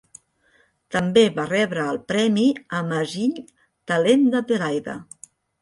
També va rebre el premi Emerging Talent d"Adelaida.